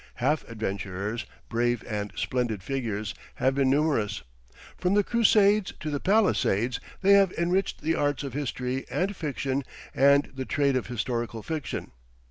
Half adventurers—brave and splendid figures—have been numerous. From the Crusades to the Palisades they have enriched the arts of history and fiction and the trade of historical fiction.